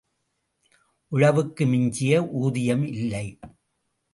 உழவுக்கு மிஞ்சிய ஊதியம் இல்லை.